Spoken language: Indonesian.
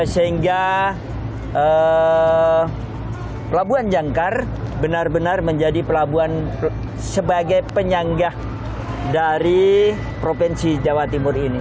sehingga pelabuhan jangkar benar benar menjadi pelabuhan sebagai penyanggah dari provinsi jawa timur ini